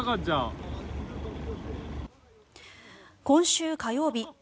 今週火曜日